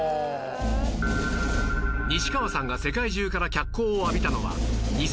西川さんが世界中から脚光を浴びたのは２０１８年